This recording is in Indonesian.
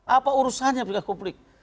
apa urusannya ke publik